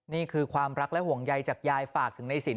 นี่คือความรักและห่วงใยจากยายฝากถึงในสิน